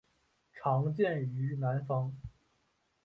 常见于南方。